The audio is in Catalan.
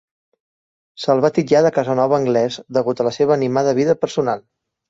Se'l va titllar de Casanova anglès degut a la seva animada vida personal.